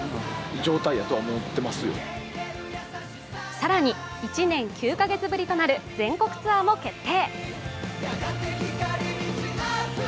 更に１年９カ月ぶりとなる全国ツアーも決定。